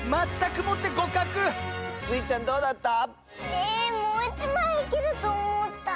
えもういちまいいけるとおもった。